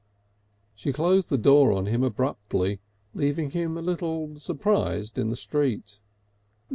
She closed the door on him abruptly, leaving him a little surprised in the street.